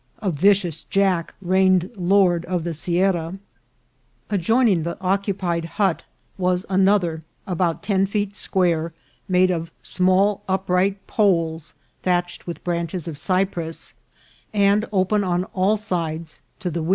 A vicious jack reigned lord of the sierra. Adjoining the occupied hut was another about ten feet square, made of small upright poles, thatched with branches of cypress, and open on all sides to the wind.